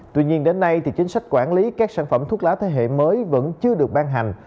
tuy nhiên đến nay thì chính sách quản lý các sản phẩm thuốc lá thế hệ mới vẫn chưa được ban hành